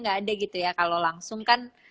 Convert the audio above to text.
ga ada gitu ya kalo langsung kan